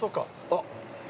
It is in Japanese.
あっ。